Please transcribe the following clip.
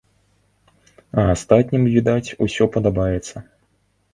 А астатнім, відаць, усё падабаецца!